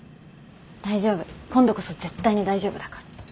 大丈夫今度こそ絶対に大丈夫だから。